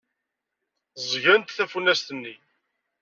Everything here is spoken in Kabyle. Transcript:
Ẓẓgent tafunast-nni.